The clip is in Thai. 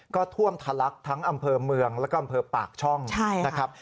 ก็ท่วมทะลักทั้งอำเภอเมืองแล้วก็อำเภอปากช่องนะครับ